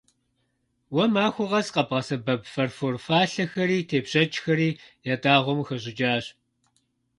Уэ махуэ къэс къэбгъэсэбэп фарфор фалъэхэри тепшэчхэри ятӀагъуэм къыхэщӀыкӀащ.